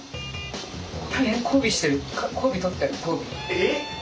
えっ？